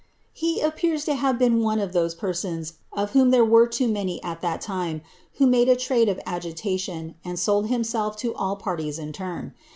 He appears to have been one of ose persons, of whom there were too many at that time, who made a ide of agitation, and sold himself to all parties in turn.